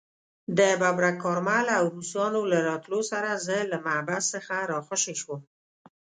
د ببرک کارمل او روسانو له راتلو سره زه له محبس څخه راخوشي شوم.